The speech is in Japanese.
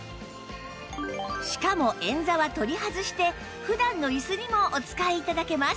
しかも円座は取り外して普段の椅子にもお使い頂けます